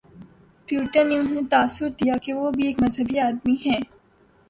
Putin نے انہیں تاثر دیا کہ وہ بھی ایک مذہبی آدمی ہیں۔